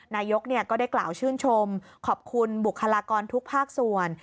นายกก็ได้กล่าวชื่นชมขอบคุณบุคลากรทุกภาคส่วน